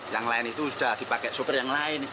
yang lain itu sudah dipakai sopir yang lain